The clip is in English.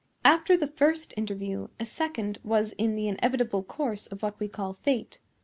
After the first interview, a second was in the inevitable course of what we call fate.